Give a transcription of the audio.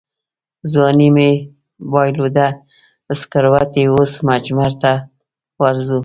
ځواني مې بایلوده سکروټې اوس مجمرته ورځو